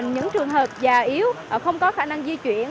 những trường hợp già yếu không có khả năng di chuyển